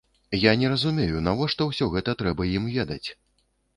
Я не разумею, навошта ўсё гэта трэба ім ведаць.